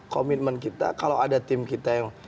komitmen kita kalau ada tim kita yang